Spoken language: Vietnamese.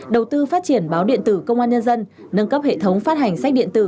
đầu tư phát triển báo điện tử công an nhân dân nâng cấp hệ thống phát hành sách điện tử